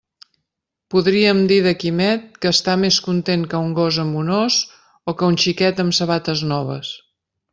Podríem dir de Quimet que està més content que un gos amb un os o que un xiquet amb sabates noves.